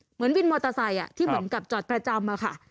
วินมอเตอร์ไซค์ที่เหมือนกับจอดประจำอะค่ะ